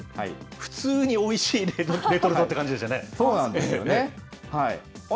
普通においしいレトルトって感じそうなんですよね。